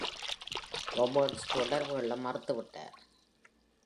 Roberts தொடர்பு கொள்ள மறுத்துவிட்டார்.